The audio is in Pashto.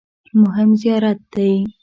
مهم زیارت دی.